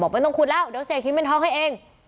ไม่ต้องขุดแล้วเดี๋ยวเสกหินเป็นทองให้เอง